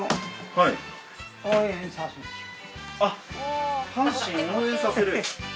あっ阪神を応援させる？